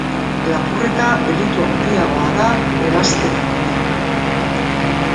Lapurreta delitu handiagoa da ebasketa baino.